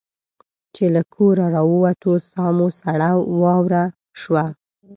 چې له کوره را ووتو ساه مو سړه واوره شوه.